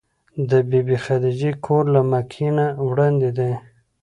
د بي بي خدېجې کور له مکې نه وړاندې دی.